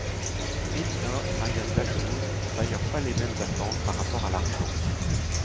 Elinor et Marianne Dashwood n'ont d'ailleurs pas les mêmes attentes par rapport à l'argent.